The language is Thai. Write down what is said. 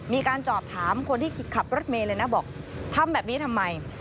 มีการจอบถามคนที่ขับรถเมย์เลยนะบอกทำแบบนี้ทำไม